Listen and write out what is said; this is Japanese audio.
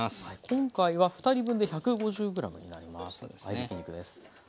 今回は２人分で１５０ｇになります。